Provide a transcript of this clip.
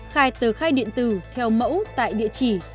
khai tờ khai điện tử theo mẫu tại địa chỉ